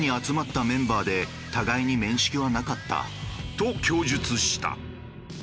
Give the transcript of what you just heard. と供述した。